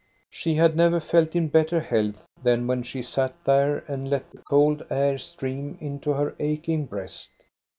She had never felt in better health than when she sat there and let the cold air stream into her aching breast.